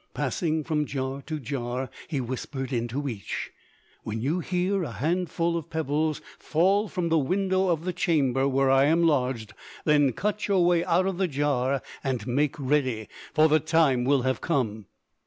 Passing from jar to jar he whispered into each, "When you hear a handful of pebbles fall from the window of the chamber where I am lodged, then cut your way out of the jar and make ready, for the time will have come."